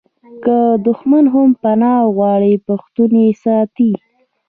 که دښمن هم پنا وغواړي پښتون یې ساتي.